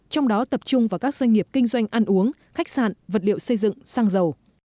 trong đó tập trung vào các doanh nghiệp kinh doanh ăn uống khách sạn vật liệu xây dựng xăng dầu